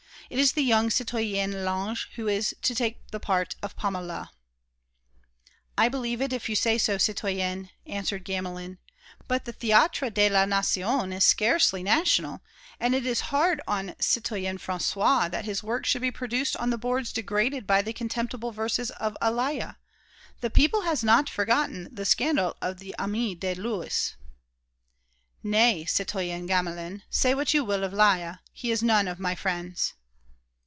It is the young citoyenne Lange who is to take the part of 'Paméla.'" "I believe it if you say so, citoyenne," answered Gamelin, "but the Théâtre de la Nation is scarcely National and it is hard on the citoyen François that his works should be produced on the boards degraded by the contemptible verses of a Laya; the people has not forgotten the scandal of the Ami des Lois...." "Nay, citoyen Gamelin, say what you will of Laya; he is none of my friends."